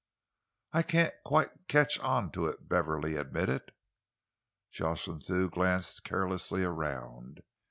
"I can't quite catch on to it," Beverley admitted. Jocelyn Thew glanced carelessly around.